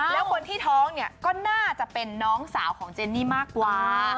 แล้วคนที่ท้องเนี่ยก็น่าจะเป็นน้องสาวของเจนนี่มากกว่า